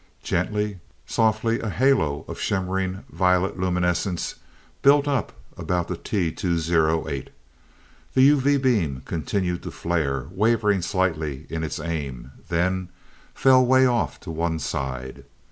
Gently, softly a halo of shimmering violet luminescence built up about the T 208. The UV beam continued to flare, wavering slightly in its aim then fell way off to one side.